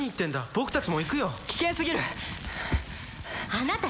僕たちも行くよ危険すぎるあなた